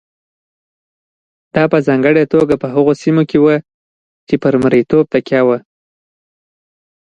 دا په ځانګړې توګه په هغو سیمو کې وه چې پر مریتوب تکیه وه.